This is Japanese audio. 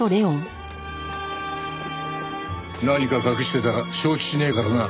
何か隠してたら承知しねえからな。